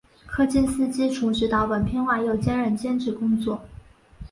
柯金斯基除执导本片外又兼任监制工作。